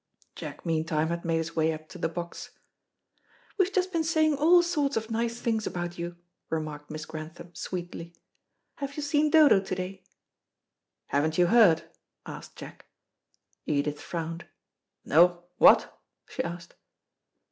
Jack meantime had made his way up to the box. "We've just been saying all sorts of nice things about you," remarked Miss Grantham sweetly. "Have you seen Dodo to day?" "Haven't you heard?" asked Jack. Edith frowned. "No; what?" she asked.